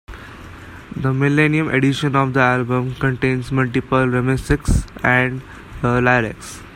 The millennium edition of the album contains multiple remixes and the lyrics.